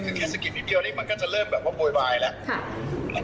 คือแค่สะกิดนิดเดียวนี่มันก็จะเริ่มแบบว่าโวยวายแล้ว